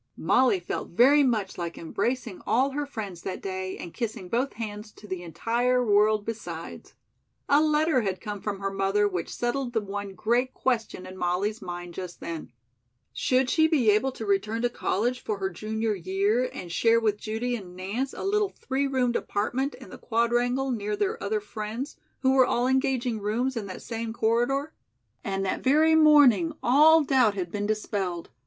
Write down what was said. Molly felt very much like embracing all her friends that day and kissing both hands to the entire world besides. A letter had come from her mother which settled the one great question in Molly's mind just then: Should she be able to return to college for her junior year and share with Judy and Nance a little three roomed apartment in the Quadrangle near their other friends, who were all engaging rooms in that same corridor? And that very morning all doubt had been dispelled.